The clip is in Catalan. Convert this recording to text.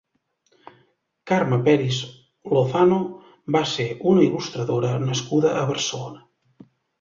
Carme Peris Lozano va ser una il·lustradora nascuda a Barcelona.